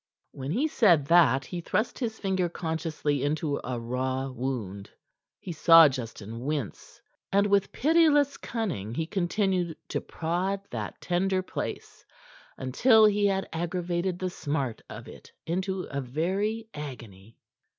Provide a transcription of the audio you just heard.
When he said that he thrust his finger consciously into a raw wound. He saw Justin wince, and with pitiless cunning he continued to prod that tender place until he had aggravated the smart of it into a very agony.